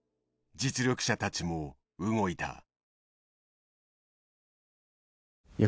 実力者たちも動いた。